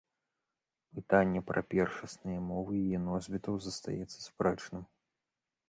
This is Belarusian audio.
Пытанне пра першасныя мовы яе носьбітаў застаецца спрэчным.